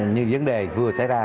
như vấn đề vừa xảy ra